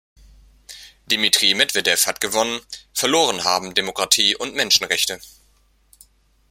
Dimitri Medwedew hat gewonnen, verloren haben Demokratie und Menschenrechte.